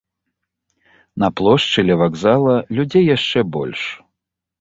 На плошчы, ля вакзала, людзей яшчэ больш.